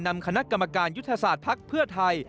นำคณะกรรมการยุทธศาสตร์ภักดิ์เพื่อไทย